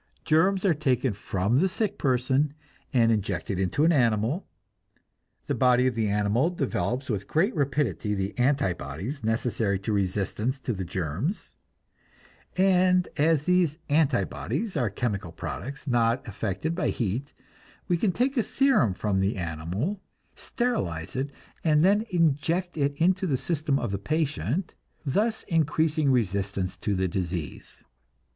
Germs are taken from the sick person, and injected into an animal. The body of the animal develops with great rapidity the "anti bodies" necessary to resistance to the germs; and as these "anti bodies" are chemical products, not affected by heat, we can take a serum from the animal, sterilize it, and then inject it into the system of the patient, thus increasing resistance to the disease.